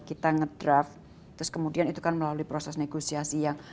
kita ngedraft terus kemudian itu kan melalui proses negosiasi yang